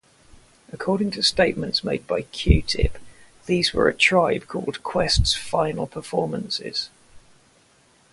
According to statements made by Q-Tip, these were A Tribe Called Quest's final performances.